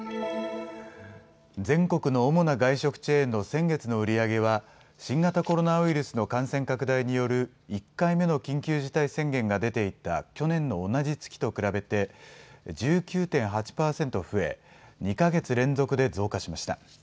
全国の主な外食チェーンの先月の売り上げは新型コロナウイルスの感染拡大による１回目の緊急事態宣言が出ていた去年の同じ月と比べて１９．８％増え２か月連続で増加しました。